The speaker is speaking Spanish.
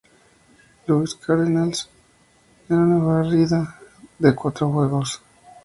Louis Cardinals en una barrida de cuatro juegos.